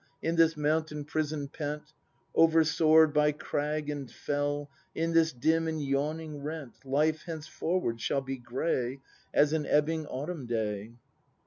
In this mountain prison pent, Oversoar'd by crag and fell. In this dim and yawning rent, Life henceforward shall be gray As an ebbing autumn day.